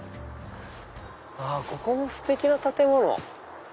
ここもステキな建物。